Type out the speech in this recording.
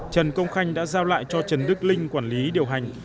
trần công khanh đã giao lại cho trần đức linh quản lý điều hành